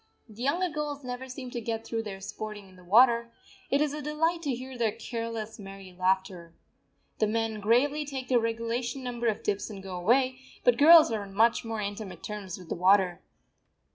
The younger girls never seem to get through their sporting in the water; it is a delight to hear their careless, merry laughter. The men gravely take their regulation number of dips and go away, but girls are on much more intimate terms with the water.